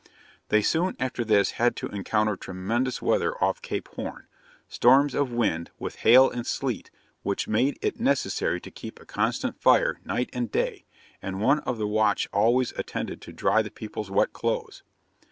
They soon after this had to encounter tremendous weather off Cape Horn, storms of wind, with hail and sleet, which made it necessary to keep a constant fire night and day; and one of the watch always attended to dry the people's wet clothes.